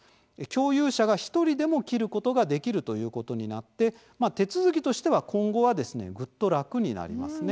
共有者が１人でも切ることができるということになって手続きとしては今後はですねグッと楽になりますね。